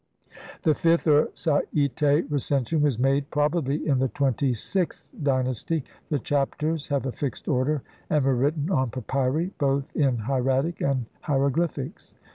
The fifth or Sai'te Recension was made, probably, in the twenty sixth dynasty ; the Chapters have a fixed order and were written on papyri both in hieratic and hiero glyphics.